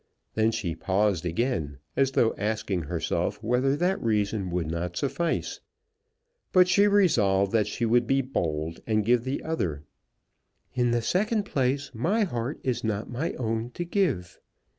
Then she paused again, as though asking herself whether that reason would not suffice. But she resolved that she would be bold, and give the other. "In the next place, my heart is not my own to give."